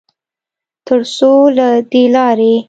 ترڅوله دې لارې